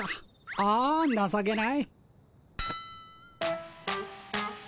ああなさけない。